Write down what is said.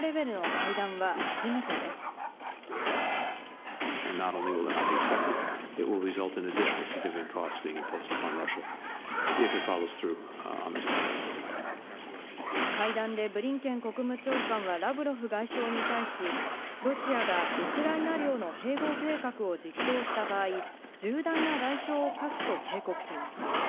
会談でブリンケン国務長官はラブロフ外相に対し、ロシアがウクライナ領の併合計画を実行した場合、重大な代償を科すと警告しました。